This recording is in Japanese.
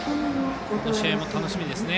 この試合も楽しみですね。